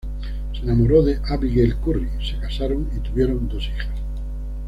Se enamoró de Abigail Curry, se casaron y tuvieron dos hijas.